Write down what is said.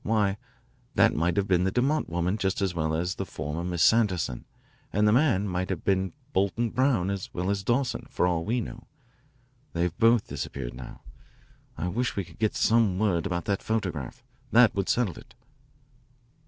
Why, that might have been the DeMott woman just as well as the former Miss Sanderson, and the man might have been Bolton Brown as well as Dawson, for all we know. They've both disappeared now. I wish we could get some word about that photograph. That would settle it."